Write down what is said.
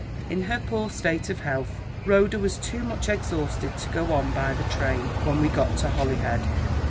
In her poor state of health, Rhoda was too much exhausted to go on by the train, when we got to Holyhead.